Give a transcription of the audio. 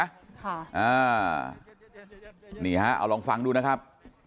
ค่ะอ่านี่ฮะเอาลองฟังดูนะครับ